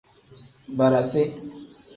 Barasi.